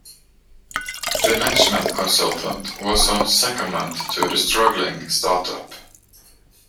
The management consultant was on secondment to the struggling start-up